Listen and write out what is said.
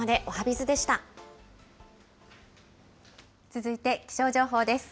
続いて気象情報です。